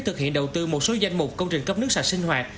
thực hiện đầu tư một số danh mục công trình cấp nước sạch sinh hoạt